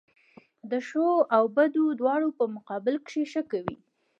د ښو او بدو دواړو په مقابل کښي ښه کوئ!